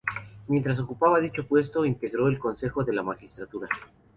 Mientras ocupaba dicho puesto, integró el Consejo de la Magistratura.